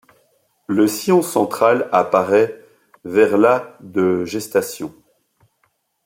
Le sillon central apparaît vers la de gestation.